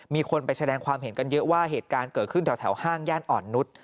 มีคนไปแสดงความเห็นกันเยอะว่าเหตุการณ์เกิดขึ้นแถวห้างย่านอ่อนนุษย์